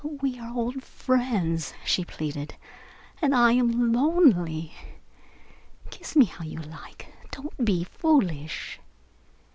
"But we are old friends," she pleaded, "and I am lonely. Kiss me how you like. Don't be foolish."